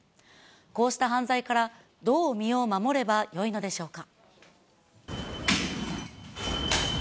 こうした犯罪からどう身を守ればよいのでしょうか。